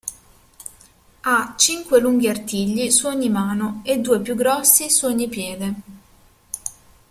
Ha cinque lunghi artigli su ogni mano e due più grossi su ogni piede.